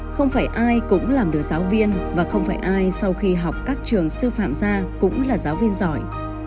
không phải ai cũng làm được giáo viên và không phải ai sau khi học các trường sư phạm ra cũng là giáo viên giỏi